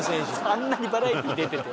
あんなにバラエティ出てて。